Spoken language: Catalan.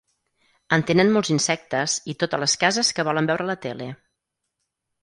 En tenen molts insectes i totes les cases que volen veure la tele.